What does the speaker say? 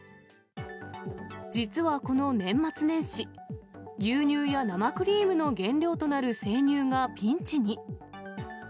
実はこの年末年始、牛乳や生クリームの原料となる生乳がピンチに。